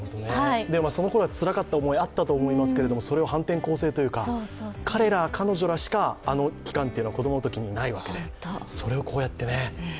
そのころはつらかった思いがあったと思いますけど、それを反転攻勢というか、彼ら、彼女らしかあの期間というのは子供のときにないわけで、それをこうやってね。